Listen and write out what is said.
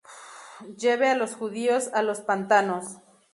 Lleve a los judíos a los pantanos".